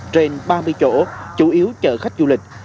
trên ba mươi chỗ chủ yếu chở khách du lịch